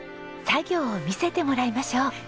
作業を見せてもらいましょう。